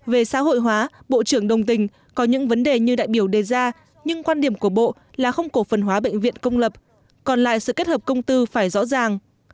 về xã hội hóa bộ trưởng đồng tình có những vấn đề như đại biểu đề ra nhưng quan điểm của bộ là không cổ phần hóa bệnh viện công lập còn lại sự kết hợp công tư phải rõ ràng